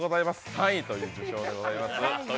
３位という受賞でございます。